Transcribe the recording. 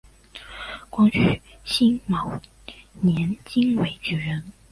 光绪辛卯年京闱举人。